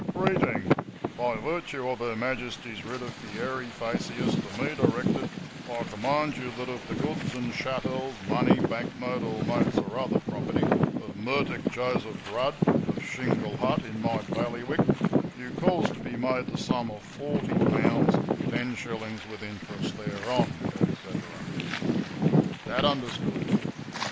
Greeting: By virtue of Her Majesty's writ of FIERI FACIAS, to me directed, I command you that of the goods and chattels, money, bank note or notes or other property of Murtagh Joseph Rudd, of Shingle Hut, in my bailiwick, you cause to be made the sum of forty pounds ten shillings, with interest thereon," &c. Dad understood.